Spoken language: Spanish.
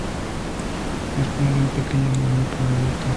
Dispone de un pequeño muelle para botes.